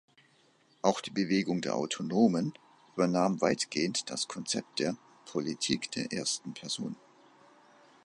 Auch die Bewegung der Autonomen übernahm weitgehend das Konzept der "Politik der ersten Person".